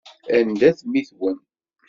Anda-t mmi-twen?